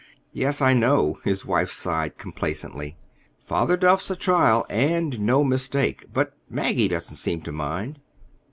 "Yes, I know." His wife sighed complacently. "Father Duff's a trial, and no mistake. But Maggie doesn't seem to mind."